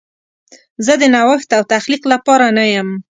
زه د نوښت او تخلیق لپاره نه یم.